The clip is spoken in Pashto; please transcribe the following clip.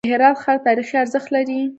د هرات ښار تاریخي ارزښت لري.